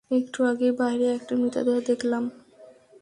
একটু আগেই বাহিরে একটা মৃতদেহ দেখলাম।